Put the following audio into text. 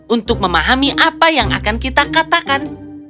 untuk memahami apa yang akan kita katakan